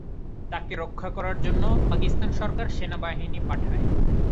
তাঁকে রক্ষা করার জন্যে পাকিস্তান সরকার সেনাবাহিনী পাঠায়।